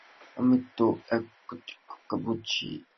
আমি তো আর কচি খোকা না, বুঝি সবকিছু।